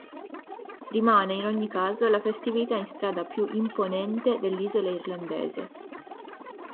Rimane in ogni caso la festività in strada più imponente dell'isola irlandese.